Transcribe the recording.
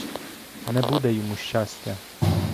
Не буде йому щастя!